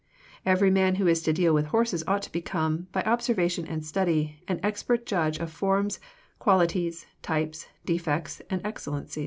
Every man who is to deal with horses ought to become, by observation and study, an expert judge of forms, qualities, types, defects, and excellences.